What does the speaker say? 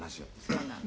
「そうなの。